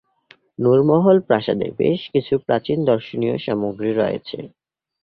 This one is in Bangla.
নুর মহল প্রাসাদে বেশ কিছু প্রাচীন দর্শনীয় সামগ্রী রয়েছে।